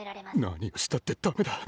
何をしたってダメだ。